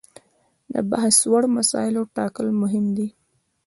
د بحث وړ مسایلو ټاکل مهم دي.